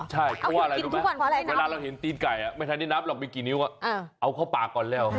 ใช่เพราะว่าอะไรรู้ไหมเวลาเราเห็นตีนไก่ไม่ทันได้นับหรอกมีกี่นิ้วเอาเข้าปากก่อนแล้ว